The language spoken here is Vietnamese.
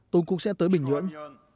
tôi cũng sẽ tới bình nhưỡng